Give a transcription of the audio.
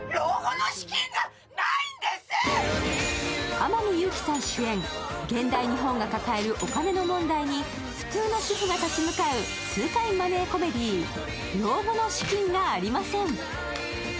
天海祐希さん主演、現代日本が抱えるお金の問題に普通の主婦が立ち向かう痛快マネーコメディー「老後の資金がありません！」。